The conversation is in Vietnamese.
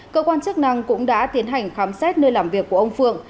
cơ quan chức năng cũng đã tiến hành khám xét nơi làm việc của ông phượng